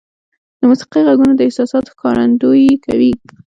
• د موسیقۍ ږغونه د احساساتو ښکارندویي کوي.